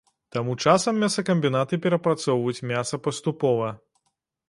Таму часам мясакамбінаты перапрацоўваюць мяса паступова.